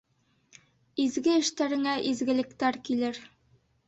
Изге эштәреңә изгелектәр килер...